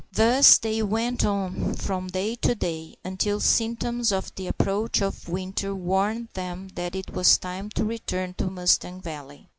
Thus they went on from day to day, until symptoms of the approach of winter warned them that it was time to return to the Mustang Valley.